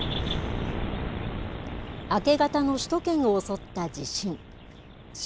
明け方の首都圏を襲った地震。